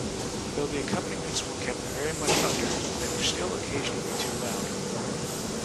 Though the accompaniments were kept very much under, they were still occasionally too loud.